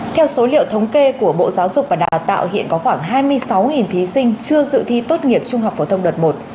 theo số liệu thống kê của bộ giáo dục và đào tạo hiện có khoảng hai mươi sáu thí sinh chưa dự thi tốt nghiệp trung học phổ thông đợt một